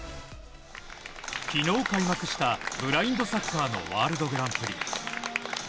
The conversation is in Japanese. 昨日開幕したブラインドサッカーのワールドグランプリ。